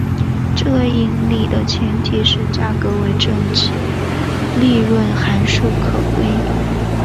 这个引理的前提是价格为正且利润函数可微。